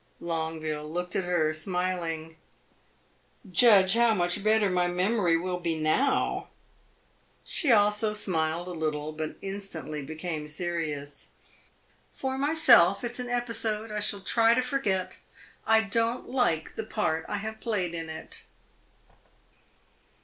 Longueville looked at her, smiling. "Judge how much better my memory will be now!" She also smiled a little, but instantly became serious. "For myself, it 's an episode I shall try to forget. I don't like the part I have played in it."